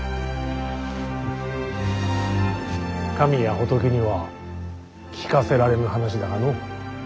神や仏には聞かせられぬ話だがのう。